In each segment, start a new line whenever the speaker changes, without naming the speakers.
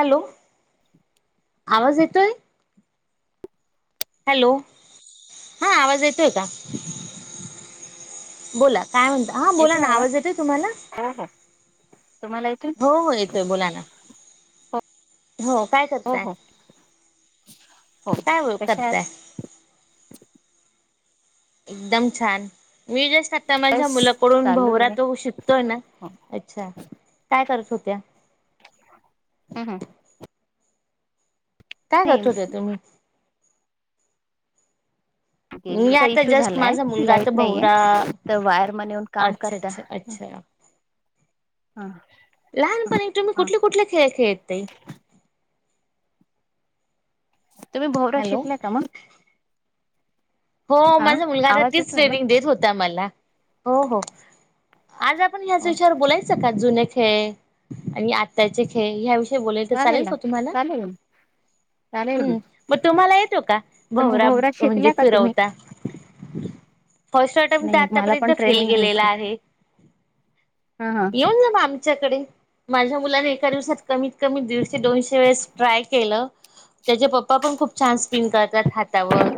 Hello आवाज येतोय hello हा आवाज येतोय का बोला काय म्हणत हा बोला ना आवाज येतोय तुम्हाला
हो हो तुम्हाला येतोय?
हो हो येतोय बोला ना हो काय
हो
करताय
हो हो
काय
कशा
करताय
आहात [unintelligible]
एकदम छान मी जस्ट आता माझ्या
बस
मुलाकडून
चालू
भवरा
आहे.
तो शिकतोय ना अच्छा काय करत होत त्या
हम् हम
काय करत होते तुम्ही मी
गेलीचा
आता
इशू
जस्ट
झालाय
माझा मुलगा आता
लाईट नाहीे
भवरा
तर वायर म येऊन काम
अच्छा
करता
अच्छा अच्छा
हा हा
लहानपणी एक तुम्ही
हा
कुठले कुठले खेळ खेळत
तुम्ही भोवरा
हॅलो
शिकलाय का मग
हो
हा
माझा मुलगाला
आवाज
तीच
येतोय ना?
ट्रेनिंग देत होता मला हो हो आज आपण ह्याच
हो
विषया बोलायच सक जुने खे आणि आताचे खे ह्या विषय बोय चालेल
ना
का तुम्हाला
चालेल चालेल ना.
हम्म मग तुम्हाला येतो का
तर मग
भवरा
भोवरा
म्हणजे
शिकला का तुम्ही?
फिरवता फर्स्ट अटेम्प्ट
नाही मला
आतापर्यंत
पण
फेल
ट्रेनिंग
केेलेला
घ्यायची.
आहे
हा हा
येऊन जा म आमच्याकडे माझ्या मुलाने एका दिवसात कमीत कमी दडशे दोनशे वेळेस ट्राय केलं त्याचे पप्पा पण खूप छान स्पिन करतात हातावर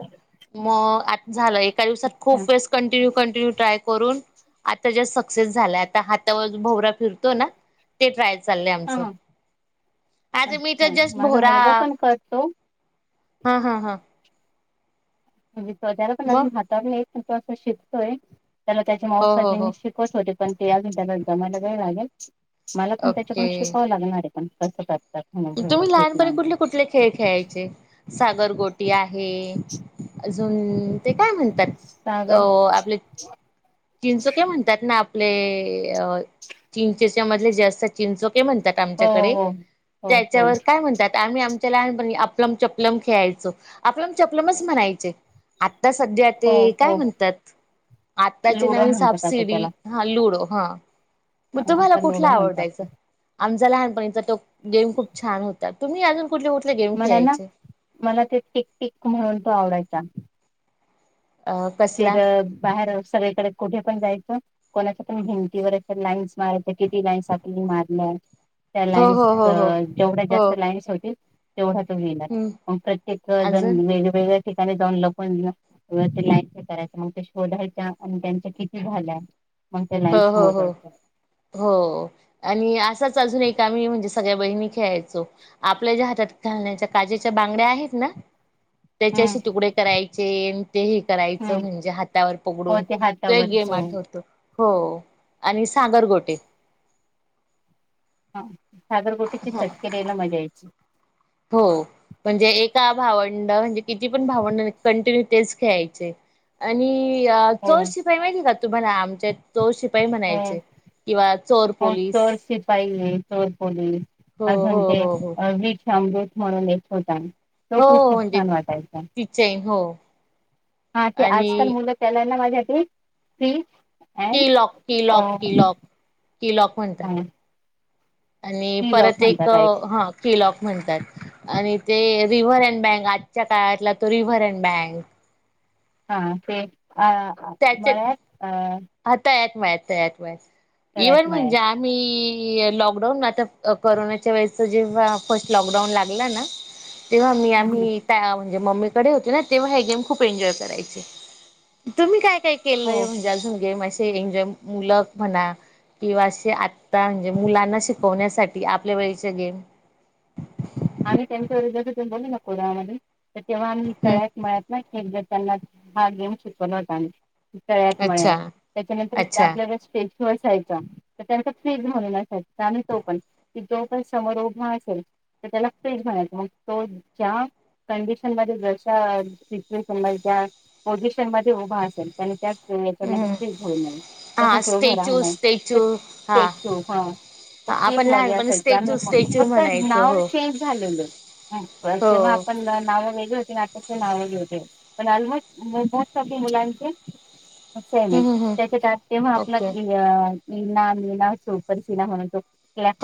मग आता झालं एका दिवसात
अच्छा
खूप वेळेस कंटिन्यू कंटिन्यू ट्राय करून आता ज्या सक्सेस झाला आता हातावर भवरा फिरतो ना ते ट्राय चाल
हा
आमच
हा
आता मी तर
अच्छा
जस्ट
माझा
भोरा
मुलगा पण करतो
हा हा हा
म्हणजे त्या्याला पण अजन
मग
हाताळ नाही पण तो असं शिकतोय त्याला त्याच्या
हो हो हो
मावसाजीनी शिकवत होते पण ते या त्यालादा मला वेळ लागेल मला पण
ओके
त्याच्याकडून शिकावं लागणारे पण कसं करतात म्हणून एवढं
तुम्ही
भीक
लहानपणी
मागून
कुठले कुठले खेळ खेळायचे सागरगोटी आहे अजून ते काय म्हणतात अ
सागर
आपले चिंचोक्या काय म्हणतात ना आपले अ चिंचेच्या मधले जास्त चिंचोक म्हणतात
हो
आमच्याकडे
हो हो हो
त्या काय म्हणात आम्ही आमच्या लहानपणी आपलंम चपलम खेळायचो आपलंम चपलमच म्हणायचे आ आता सध्या
हो
ते काय
हो
म्हणतात आताची
लुडो
नवीन
म्हणतात आता
सापसिडी
त्याला.
हा लुडो. हा,
हा
मग तुम्हाला
आता लुडो
कुठला
म्हणतात
आवडायचा? आमचा लहानपणीचा तो गेम खूप छान होता तुम्ही अजून कुठले कुठले गेम
मला ना
खेळायचे?
मला ते टिक -टिक म्हणून तो आवडायचा
अ कसला?
फिरत बाहेर सगळीकडे कुठे पण जायच कोण कोणाच्या पण भिंतीवर एखादी लाईन्स मारायच किती लाईन्स आपली मारल्याय त्या
हो
लाईन्स
हो हो हो
जेवढ्या
हो
जास्त लाईन्स होतील तेवढा तो गेला
हम्म
प्रत्येक जण
अजून
वेग- वेगळ्या ठिकाणी जाऊन लपवून त्या लाइन्स करायच मग ते शोधायच्या आणि त्यांच्या किती झाल्यात
हा, हो- हो- हो आणि असाच अजून एक वेळेस म्हणजे सगळ्या बहिणी खेळायचो आपल्या ज्या हातात घालण्याच्या काचेच्या बांगड्या आहेत ना.
हम्म
त्याच्याशी तुकडे करायचे ते हे
हम्म
करायचं म्हणजे हातावर
हो
पकडून
ते
तो एक
हातावर
गेम
हो
आठवतो. हो आणि सागर गोटे.
सागर गोटीचे चटके द्यायला मजा यायची
हो म्हणजे एका भावंड म्हणजे किती पण भावंड कंटिन्यू तेच खेळायचे आणि
हो
चौरशिपाई माहिती का तुम्हाला? आमच्या चोरशिपाई
हो
म्हणायचे किंवा चोर
हो
पोलीस
चोर सिपाही आहे चोर पोलीस
हो
अजून
हो
ते
हो हो
वीष अमृत म्हणून एक होता. तो खूप
हो
-खूप
म्हणजे
छान वाटायचा.
ती चैन हो.
हा ते आजकाल
आणि
मुलं त्याला ना माझ्यासाठी फी.
कि लॉक -कि लॉक -कि लॉक -कि लॉक म्हणतात आणि
फ्री लॉक
परत एक
म्हणतात ऐक,
हा [inaudible] कि लॉक म्हणतात आणि ते रिव्हर अँड बँक आजच्या काळातला तो रिव्हर अँड बँक
हा ते अ
त्याच्यात
मळ्यात अ
हा तळ्यात मळ्यात -तळ्यात- वळ्यात
तळ्यात
इव्हन
मळ्यात
म्हणजे आम्ही कि लॉकडाऊन आता कररोनाच्या वेळेच जेव्हा फर्स्ट लॉकडाऊन लागला ना. तेव्हा मी
हा, हा.
आम्ही त्या म्हणजे मम्मीकडे होते ना [inaudible] तेव्हा हे गेम खूप एन्जॉय करायचे तुम्ही काय -काय
हो
केलंय म्हणजे अजून गेम असे एन्जॉय मुलं म्हणा? किंवा अस आता म्हणजे मुलांना शिकवण्यासाठी आपल्या वेळेचे गेम
[unintelligible] आम्ही त्यांच्या वेळेस बोल ना कोडमधून तर तेव्हा आम्ही
हम्म
तळ्यात- मळ्यात खेळाच हा गेम शिकवला होता तळ्यात-
अच्छा
मळ्यात त्याच्यानंतर
अच्छा
आपल्याला स्पीच सोचचा तर त्यानंतर फ्रीग झालेल असायचं आणि तो पण की जो पण समोर उभा असाचा. त्याला पेज म्हणायचं मग तो त्या कंडिशन मध्ये जश सच्युएश न म त्या पोझिशन मध्ये उभा असेल आणि त्या
हम्म
मध्ये घऊ
हा
तसचढं
स्टॅच्यू
राहिलाय तर
स्टॅच्यू
ते
हा
ठेव [unintelligible] ती एक
आपण लहानपणी
मर्यादा आहे
स्टॅच्यू स्टॅच्यू
फक्त
म्हणायचो
नाव
हो
चेंज ते घालवलं पण तेव्हा
हो.
आपण नाव वगैरे घरी ना हो पण म मुलांचे [unintelligible]
हम्म हम्म हम्म
त्याच्यात असते तेव्हा आपल
ओके
इना -मीना सुपर सीना म्हणून तो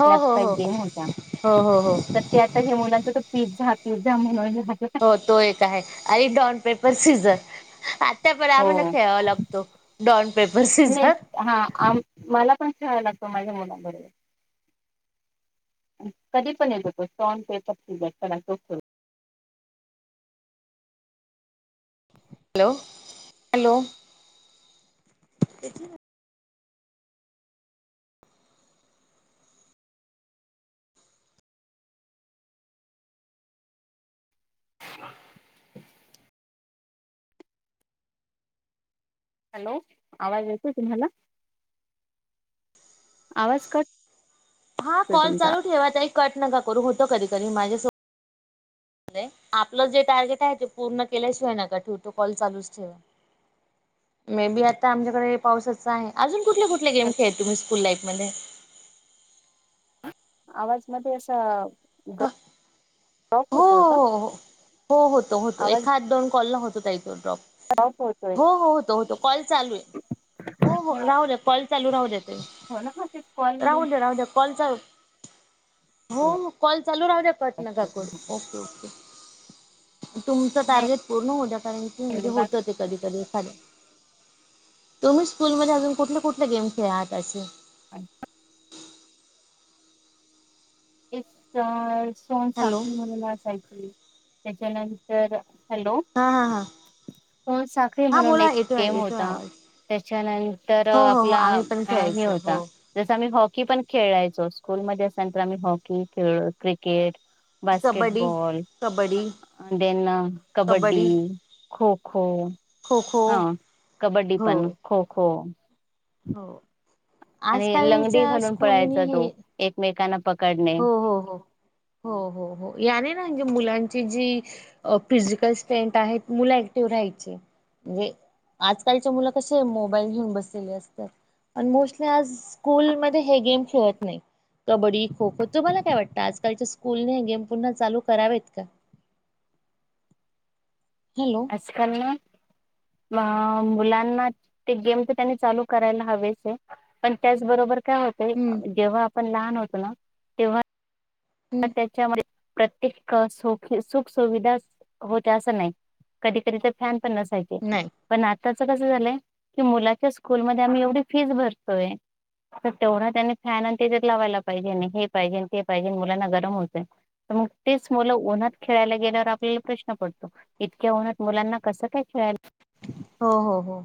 हो हो हो
नगेम होत्ता.
हो हो हो
सध्या आता हे मुलांचं पिझ्झा- पिझ्झा म्हणाल्या
हो तो एक आहे आणि डॉन [inaudible] पेपर सीझर त्या बराबरन न
हो.
खेळावा लागतो स्ट्रॉंग, पेपर,
नाही
सिजर
हा मला पण खेळाव लागतो माझ्या मुलाबरोबर कधी पण येतो तो स्ट्रॉंग, पेपर, सिजर खेळायचे असेल.
हॅलो -हॅलो तिथलं [unintelligible]
हॅलो आवाज येतोय तुम्हाला आवाज का
हा कॉल चालू ठेवाताही कट नका करू होतो कधी कध माझ्या सो अ आपलं जे टार्गेट आहे ते पूर्ण केल्याशिवाय न का ठेव तो कॉल चालूच ठेवा मे बी आता आमच्याकडे पावसाच आहे अजून कुठल्या कुठल्या गेम खेळत तु्ी स्कूल लाईफ मध्ये
आवाज मध्ये असं ॉ
हो हो हो हो हो होत होतो
आवाज
एखाद दोन कॉलला होतो त्या इथो ड्रॉप
ड्रॉप होतोय.
हो हो होत होतो कॉल चालू आहे हो हो राहू दे कॉल चालू राहू देेत
हो ना हा तेच कॉल
राहू
नाही
दे राहू दे कॉल चालू हो कॉल चालू राहू द्या पटना काकूर ओके ओके तुमचं टार्गेट पूर्ण होद्या कारण की म्हणजे होत
बाकी
ते कधी कधी एखाद्या तुम्ही स्कूलमध्येध्ये अजून कुठले कुठले गेम खेळ आहात अस
अचछा एक सोन
हॅलो
साखळी म्हणला असयची त्याच्यानंतर
हा हा हा
हो साखळी म्हणून एक गेम होता
आवाज
त्याच्यानंतर
हो हो हो
आपला
आम्ही पण
हे
खेळायचो
होता
हो
जस आम्ही ह की पण खेळायचो स्कूलमध्येध्ये असल्यानंतर आम्ही हॉकी खेळ cricket
kabaddi
basketball
kabaddi
then kabaddi kho kho kho kho
kho kho
हा कबड्डी
हो
पण खो खो हम्
हो
आणि लंगडी
आजकालच्या
घालून
स्कूलनी
पळायचा तो
हे
एकमेकांना पकडणे
हो हो हो हो हो हो याने नाही मुलांची जी फिजिकल स्ट्रेथ आहे मु ऍक्टिव राहायची व्हय म्हणजे आजकालच्या मुलं कसे मोबाईल घेऊन बसलेले असतात. आणि मोस्टली आज स्कूलमध्ये हे गेम खेळत नाहीत कबड्डी खो-खो तुंम्हाला काय वाटतं आजकालच्या स्कूलने गेम पुन्हा चालू करावेत का?
[inaudible]
हॅलो
आजकाल ना अ मुलांना ते गेम तर त्यांनी चालू करायला हवेच आहे पण त्याचबरोबर काय होतय
हम्म
जेव्हा आपण लहान होतो ना तेव्हा मग
हम्म
त्याच्यामध्ये प्रत्येक सुख-सुविधा होत असं नाही कधी-कधी तर फॅन पण शनसायचे
नाही
पण आता त्याच कस झालंय की मुलाच्या स्कूलमध्ये आम्ही एवढी फीस भरतोयतर तर तेवढा त्यांनी फॅन आणि त्या लावायला पाहिजे, हे पाहिजे ते, पाहिजे आणि मुलांना गरम होत तर मग तेच मुलं उन्हात खेळायला गेल्यावर आपल्याला प्रश्न पडतो इतक्या उन्हात मुलांना कसं काय खेळायला
हो, हो, हो.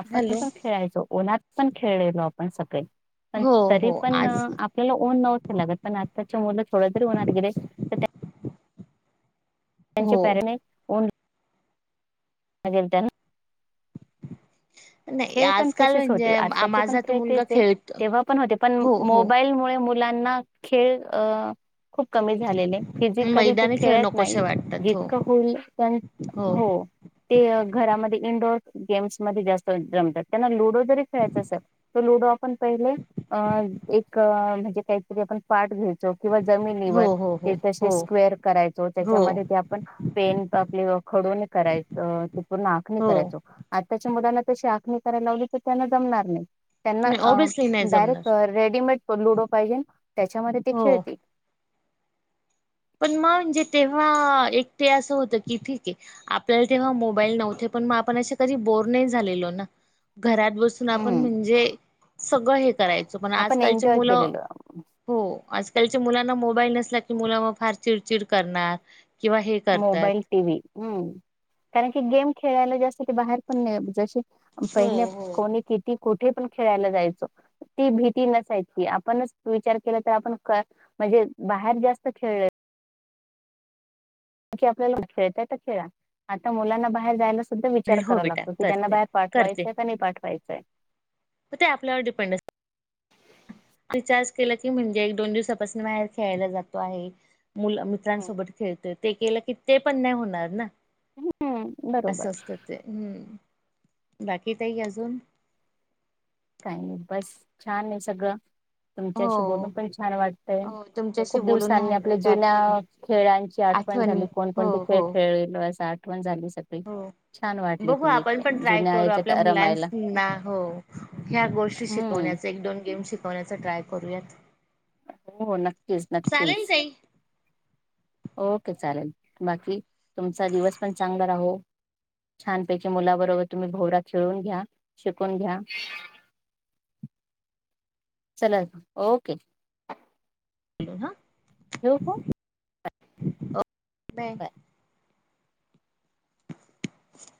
आपण
हॅलो
पण खेळायचो, उन्हात पण खेळलेलो आपण सगळी. पण
हो
तरी
हो
पण
आज
आपल्याला उन्ह नव्हत लागत, पण त्याच्या मुल थोड तरी उन्हात गिले तर त्या त्यांचे
हो
परणेन उन्ह. लागेल त्यांना.
नाही
खेळ पण
आजकाल
तसेच होते,
म्हणजे
आताचे पण
माझा तो
खेळ
मुलगा
तेच आहेत,
खेळतो
तेव्हा पण होते, पण
हो हो
मोबाईलमुळे मुलांना खेळ खूप कमी झालेले, फिजिकली ते
मैदानी खेळ
खेळत नाही.
नकोसे वाटतात हो
जितक होईल पण हो, ते घरामध्ये इंडोर गेम्स मध्ये जास्त जमतात, त्यांना लुडो जरी खेळायच असेल तर लुडो आपण पहिले अ एक म्हणजे काहीतरी आपण पाठ घे घ्यायचो किंवा
हो
जमिनीवर, ते
हो हो
तसेच स्क्वेअर करायचो.
हो हो
त्याच्यामध्ये ते आपण, पेन आपले खडूने करायचो, पूर्ण आखनी
हो
करायचो, आताच्या मुलाना. तशी आखणी करायला लावली तर त्यांना जमणार नाही, त्यांना
नाही ऑब्विसली नाही जमणार
डायरेक्ट रेडिमेट लुडो पाहिजे त्याच्यामध्ये ते
हो
खेळतील.
पण म म्हणजे तेव्हा आ, एक ते असं होत की ठीकेय आपल्याला तेव्हा मोबाईल नव्हते. पण म आपण अशे कधी बोर नाही झालेलो ना. घरात बसून आपण
हम्म
म्हणजे, सगळं हे करायचो पण
आपण
आजकालची
एन्जॉय
मुलं,
केलेलं
हो आजकालची मुलांना मोबाईल नसला की मूल ओफ फार चिडचिड करणार.
मोबाईल
करतात
टी. व्ही. अम्म. कारण की गेम खेळायला जास्त बाहेर पण जशी
हो
पहिल्या
हो
कोणी किती कुठेपण खेळायला जायचो. ती भीती नसायची, आपणच विचार केलातर आपण म्हणजे बाहेर जास्त खेळलोय. की आपल्याला खेळताय तर खेळा आता मुलांना बाहेर जायलाच पण तो विचार
हो
करावा
बेटा
लागतो की त्यांना
करते
बाहेर
करते
पाठवायचाय की नाही पाठवायचंय.
ते आपल्यावर डिपेंड असत. रिचार्ज केलं की म्हणजे एक, दोन दिवसापासून बाहेर खेळायला जातो आहे. मुल मित्रांसोबत खेळतय ते केलं की ते पण नाही होणार ना.
हम्म
अस
बरोबर
असत ते हम्म. बाकी ताई अजून?
काही नाही बस छान आहे सगळं. तुमच्याशी
हो
बोलून पण छान वाटतय
हो तुमच्याशी
खूप
बोलून
दिवसांनी आपल्या
लहानपणीच्या आठवणी
जुन्या खेळांच्या आठवण झाली
आठवणी हो
कोण-कोणती खेळ
हो
खेळलेलो अस आठवण झाली. सगळी
हो
छान वाटली
बघू
ती
आपण
एक
पण ट्राय
जुन्या
करू
याच्यात
आपल्या
रमायला
मुलांनां हो ह्या गोष्टी
हम्म
शिकवण्याचा एक दोन गेम शिकवण्याचा ट्राय करूयात.
हो नक्कीच
चालेल
नक्कीच!
ताई
ओके चालेल बाकी तुमचा दिवस पण चांगला राहो. छानपैकी मुलाबरोबर तुम्ही भोवरा खेळून घ्या शिकून घ्या. चला ओक ओके.
[unintelligible]
[unintelligible] बाय
[unintelligible] [unintelligible]